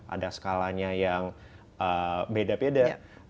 ada skalanya yang beda beda